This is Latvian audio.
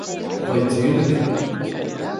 Vai dzirdi?